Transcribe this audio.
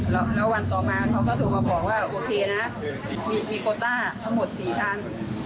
และวันต่อมาเขาก็ถูกมาบอกว่าโอเคนะมีโคตรทั้งหมด๔๐๐๐บาท